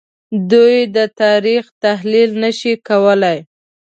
دوی د تاریخ تحلیل نه شو کولای